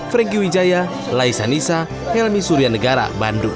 franky wijaya laisa nisa helmi surya negara bandung